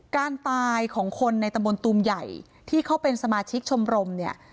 การตายของคนในตำบลตูมใหญ่ที่เขาเป็นสมาชิกชมรมเนี่ย